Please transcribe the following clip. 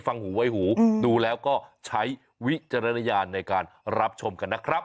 หูไว้หูดูแล้วก็ใช้วิจารณญาณในการรับชมกันนะครับ